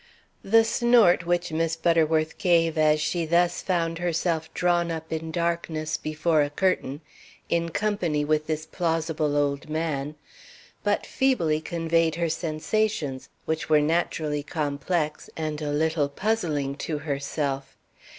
The snort which Miss Butterworth gave as she thus found herself drawn up in darkness before a curtain, in company with this plausible old man, but feebly conveyed her sensations, which were naturally complex and a little puzzling to herself.